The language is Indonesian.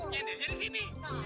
yang dari sini